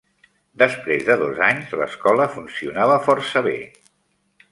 Després de dos anys, l'escola funcionava força bé.